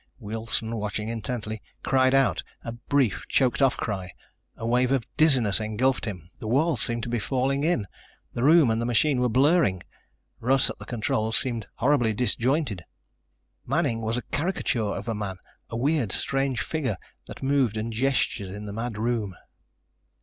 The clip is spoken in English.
Wilson, watching intently, cried out, a brief, choked off cry. A wave of dizziness engulfed him. The walls seemed to be falling in. The room and the machine were blurring. Russ, at the controls, seemed horribly disjointed. Manning was a caricature of a man, a weird, strange figure that moved and gestured in the mad room.